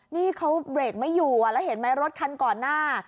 นี่เขาเบรกไม่อยู่แล้วเห็นไหมรถคันก่อนหน้า